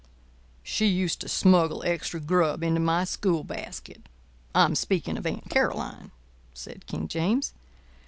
"She used to smuggle extra grub into my school basket—I'm speaking of Aunt Caroline," said King James.